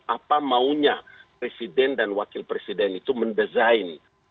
apa maunya presiden dan wakil presiden itu mendesain